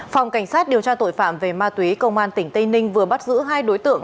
phòng cảnh sát điều tra tội phạm về ma túy công an tỉnh tây ninh vừa bắt giữ hai đối tượng